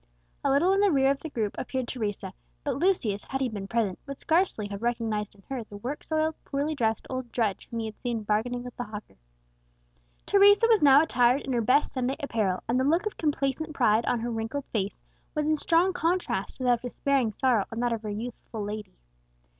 A little in the rear of the group appeared Teresa; but Lucius, had he been present, would scarcely have recognized in her the work soiled, poorly dressed old drudge whom he had seen bargaining with the hawker. Teresa was now attired in her best Sunday apparel; and the look of complacent pride on her wrinkled face was in strong contrast to that of despairing sorrow on that of her youthful lady.